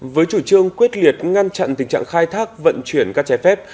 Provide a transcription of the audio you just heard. với chủ trương quyết liệt ngăn chặn tình trạng khai thác vận chuyển các chai phép